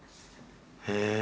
へえ！